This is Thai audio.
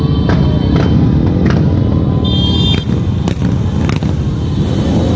สวัสดีครับ